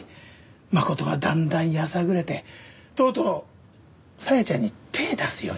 真琴はだんだんやさぐれてとうとう紗矢ちゃんに手出すようになってね。